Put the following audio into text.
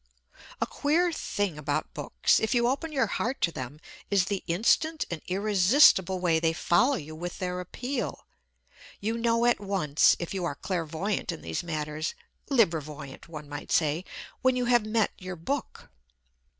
A queer thing about books, if you open your heart to them, is the instant and irresistible way they follow you with their appeal. You know at once, if you are clairvoyant in these matters (libre voyant, one might say), when you have met your book.